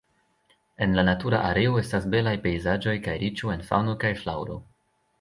En la natura areo estas belaj pejzaĝoj kaj riĉo en faŭno kaj flaŭro.